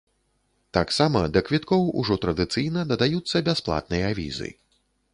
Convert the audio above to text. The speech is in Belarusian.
Таксама да квіткоў ужо традыцыйна дадаюцца бясплатныя візы.